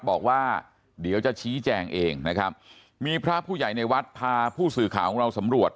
บอกว่าเดี๋ยวจะชี้แจงเองนะครับมีพระผู้ใหญ่ในวัดพาผู้สื่อข่าวของเราสำรวจ